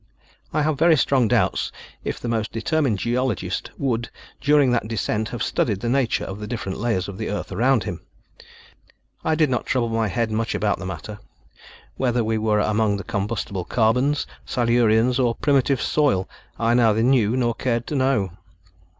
I have very strong doubts if the most determined geologist would, during that descent, have studied the nature of the different layers of earth around him. I did not trouble my head much about the matter; whether we were among the combustible carbon, Silurians, or primitive soil, I neither knew nor cared to know.